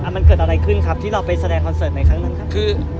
มันเกิดอะไรขึ้นที่เราไปแสดงคอนเซิร์ตที่ไหนครั้งนั้น